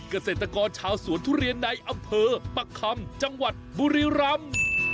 เกษตรกรชาวสวนทุเรียนในอำเภอปักคำจังหวัดบุรีรำ